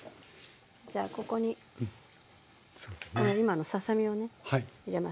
じゃあここに今のささ身をね入れます。